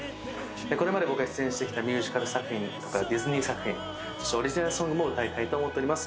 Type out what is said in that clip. これまで僕が出演して来たミュージカル作品とかディズニー作品そしてオリジナルソングも歌いたいと思っております。